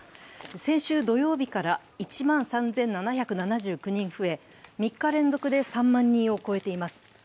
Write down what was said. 先週土曜日から１万３７７９人増え、３日連続で３万人を超えています。